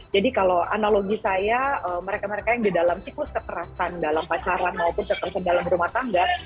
jadi kalau analogi saya mereka mereka yang di dalam siklus kekerasan dalam pacaran maupun kekerasan dalam rumah tangga